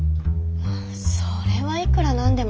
それはいくら何でも。